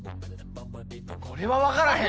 これは分からへん。